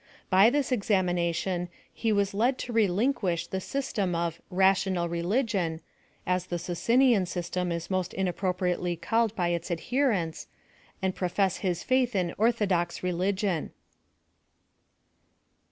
Hy this exami nation he was led to relinquish tiie system of ' ra tional religion,' (as the Socinian system is most in appropriately called by its adherents,) and profess his faith in orthodox religion.